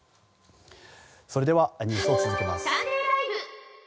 それでは、ニュースを続けます。